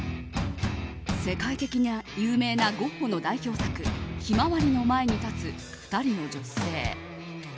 世界的に有名なゴッホの代表作「ひまわり」の前に立つ２人の女性。